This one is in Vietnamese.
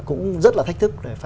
cũng rất là thách thức